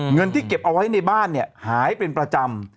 เงินที่เก็บเอาไว้ในบ้านเนี่ยหายเป็นประจำ